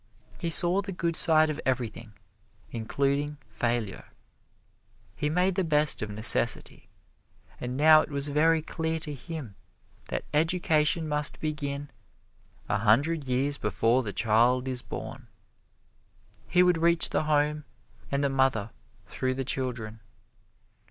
He saw the good side of everything, including failure. He made the best of necessity. And now it was very clear to him that education must begin "a hundred years before the child is born." He would reach the home and the mother through the children.